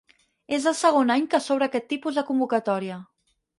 És el segon any que s'obre aquest tipus de convocatòria.